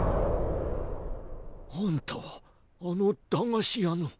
あんたはあの駄菓子屋の。